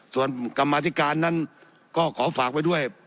ส่วนกรรมธิการนั้นก็ขอฝากไว้ด้วย